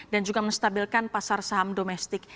dan juga menstabilkan pasar saham domestik